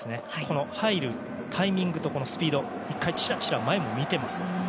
入るタイミングとスピード１回チラチラ前を見ています。